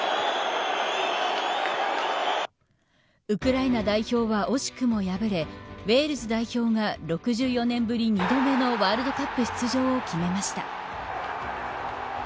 ウクライナ代表は惜しくも敗れウェールズ代表が６４年ぶり２度目のワールドカップ出場を決めました。